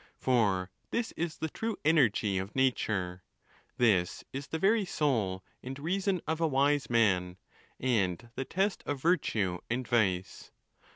For this is the true energy of nature,—~ this is the very soul and reason of a wise man, and the test. of virtue and vice.